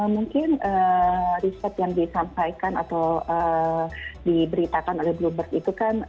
mungkin riset yang disampaikan atau diberitakan oleh bluebird itu kan